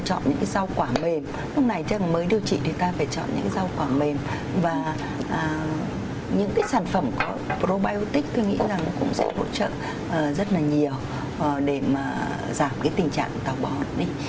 chúng ta chọn những cái rau quả mềm lúc này chẳng hạn mới điều chỉ thì chúng ta phải chọn những cái rau quả mềm và những cái sản phẩm có probiotic tôi nghĩ rằng cũng sẽ hỗ trợ rất là nhiều để mà giảm cái tình trạng tào bón đi